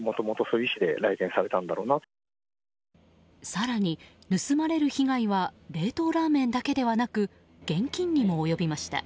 更に、盗まれる被害は冷凍ラーメンだけでなく現金にも及びました。